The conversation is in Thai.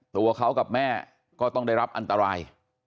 ตัวเขากับแม่ก็ต้องได้รับอันตราย